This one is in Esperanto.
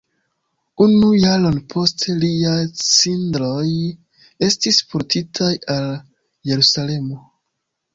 Unu jaron poste liaj cindroj estis portitaj al Jerusalemo.